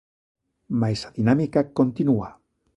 Mais a dinámica continúa.